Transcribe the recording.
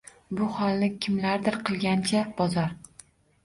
Bu holni kimlardir qilgancha bozor